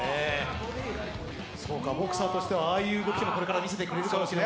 ボクサーとしてはああいう動きもこれから見せてくれるんですね。